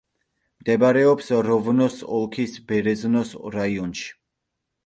მდებარეობს როვნოს ოლქის ბერეზნოს რაიონში.